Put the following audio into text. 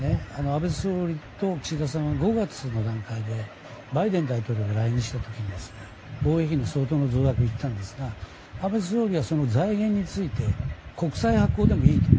安倍総理と岸田さんは５月の段階でバイデン大統領が来日した時に防衛費の相当な増額を言ったんですが安倍総理は財源について国債発行でもいいと。